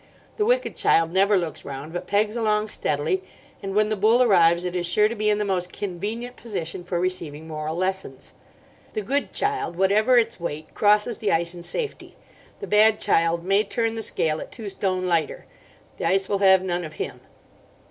The wicked child never looks round, but pegs along steadily; and when the bull arrives it is sure to be in the most convenient position for receiving moral lessons. The good child, whatever its weight, crosses the ice in safety. The bad child may turn the scale at two stone lighter; the ice will have none of him.